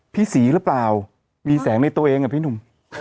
สีหรือเปล่ามีแสงในตัวเองอะพี่หนุ่ม